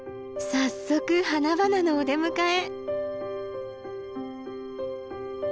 早速花々のお出迎え！